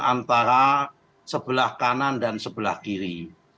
antara sebelah kanan dan sebelah kiri